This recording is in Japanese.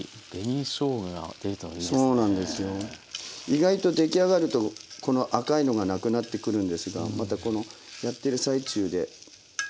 意外と出来上がるとこの赤いのがなくなってくるんですがまたこのやってる最中で。